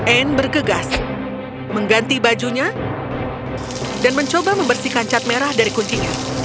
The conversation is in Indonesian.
anne bergegas mengganti bajunya dan mencoba membersihkan cat merah dari kuncinya